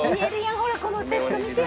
ほらこのセット見てよ！